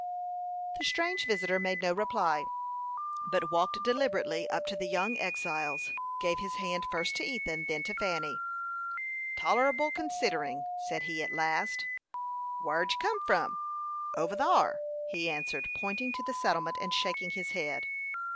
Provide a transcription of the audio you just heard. The strange visitor made no reply, but walked deliberately up to the young exiles, gave his hand first to Ethan, then to Fanny. "Toler'ble, considering," said he, at last. "Whar did you kim from?" "Over thar," he answered, pointing to the settlement, and shaking his head.